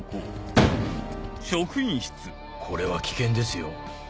これは危険ですよ。